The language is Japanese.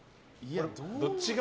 どっち側？